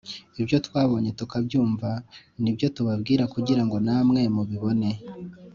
Ibyo twabonye tukabyumva ni byo tubabwira kugira ngo namwe mubibone